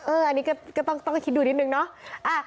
อันนี้ก็ต้องคิดดูนิดนึงเนาะ